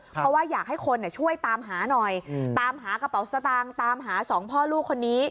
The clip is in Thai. เพราะว่าอยากให้คนช่วยตามหาหน่อยตามหากระเป๋าสตางค์ตามหาสองพ่อลูกคนนี้